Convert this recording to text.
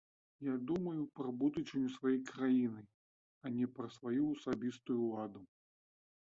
Я думаю пра будучыню сваёй краіны, а не пра сваю асабістую ўладу.